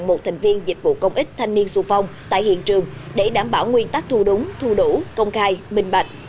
một thành viên dịch vụ công ích thanh niên xu phong tại hiện trường để đảm bảo nguyên tắc thu đúng thu đủ công khai minh bạch